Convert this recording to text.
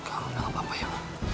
kamu udah gak apa apa ya